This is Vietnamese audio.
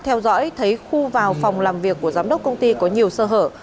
theo dõi thấy khu vào phòng làm việc của giám đốc công ty có nhiều sơ hở